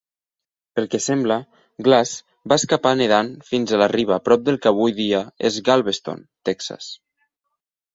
Pel que sembla, Glass va escapar nedant fins a la riba prop del que avui dia és Galveston, Texas.